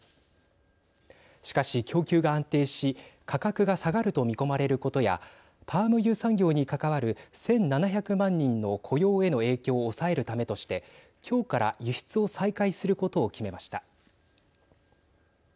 しかし、供給が安定し価格が下がると見込まれることやパーム油産業に関わる１７００万人の雇用への影響を抑えるためとしてきょうから輸出を再開することを決めました。